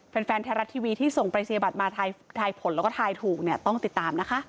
แฟนไทยรัฐทีวีที่ส่งปรายศนียบัตรมาทายผลแล้วก็ทายถูกเนี่ยต้องติดตามนะคะ